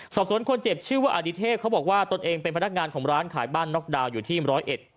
สอบสวนคนเจ็บชื่อว่าอดิเทพเขาบอกว่าตนเองเป็นพนักงานของร้านขายบ้านน็อกดาวน์อยู่ที่ร้อยเอ็ด